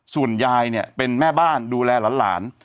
ส่วนยายเนี่ยเป็นแม่บ้านดูแลหลาน